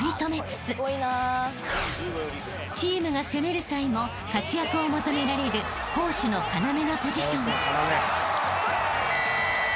［チームが攻める際も活躍を求められる攻守の要なポジション］